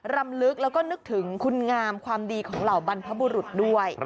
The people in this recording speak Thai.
รำลึกแล้วก็นึกถึงคุณงามความดีของเหล่าบรรพบุรุษด้วย